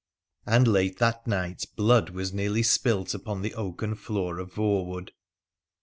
And late that night blood was nearly spilt upon the oake: floor of Voewood.